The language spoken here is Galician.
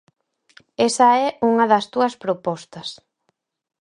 Esa é unha das túas propostas.